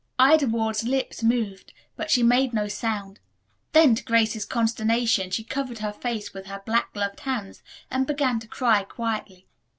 Ida Ward's lips moved, but she made no sound. Then, to Grace's consternation, she covered her face with her black gloved hands and began to cry quietly.